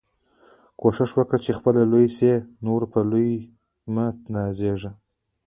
کوښښ وکه، چي خپله لوى سې، د نورو په لويي مه نازېږه!